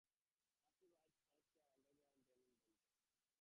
Up to eight skunks may share an underground den in the winter.